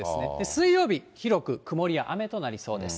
水曜日、広く曇りや雨となりそうです。